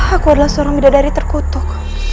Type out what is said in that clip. aku adalah seorang bidadari terkutuk